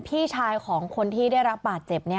พี่ชายของคนที่ได้รับบาดเจ็บ